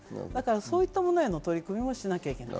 そういったものへの取り組みをしなきゃいけない。